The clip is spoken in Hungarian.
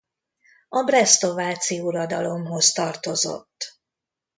A bresztováci uradalomhoz tartozott.